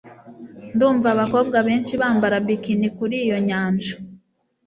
ndumva abakobwa benshi bambara bikini kuri iyo nyanja